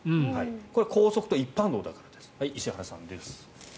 これは高速と一般道だからです石原さんです。